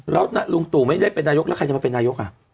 แล้วลุงตู่ไม่ได้เป็นนายกแล้วใครจะมาเป็นนายก